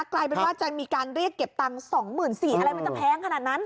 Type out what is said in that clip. กลายเป็นว่าจะมีการเรียกเก็บตังค์๒๔๐๐บาทอะไรมันจะแพงขนาดนั้น